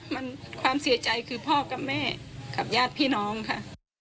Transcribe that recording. มันความเสียใจคือพ่อกับแม่กับญาติพี่น้องค่ะ